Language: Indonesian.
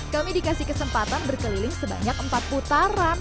kami dikasih kesempatan berkeliling sebanyak empat putaran